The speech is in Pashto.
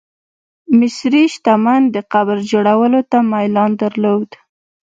مصري شتمن د قبر جوړولو ته میلان درلود.